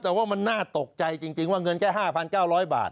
แต่ว่ามันน่าตกใจจริงว่าเงินแค่๕๙๐๐บาท